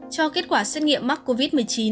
cho kết quả xét nghiệm mắc covid một mươi chín